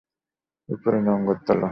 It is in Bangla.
ওপরে নোঙ্গর তোলো!